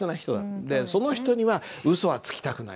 でその人にはうそはつきたくない。